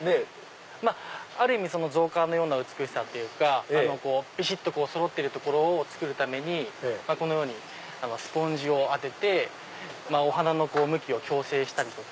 ある意味造花のような美しさっていうかびしっとそろってるところを作るためにこのようにスポンジを当ててお花の向きを矯正したりとか。